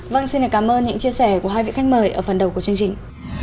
vâng xin cảm ơn những chia sẻ của hai vị khách mời ở phần đầu của chương trình